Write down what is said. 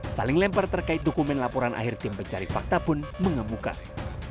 saling lempar terkait dokumen laporan akhir tim pencari fakta pun mengemukakan